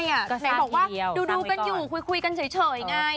ใช่อะแหม่งบอกว่าดูกันอยู่คุยกันเฉยง่าย